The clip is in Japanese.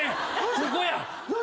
ここやで。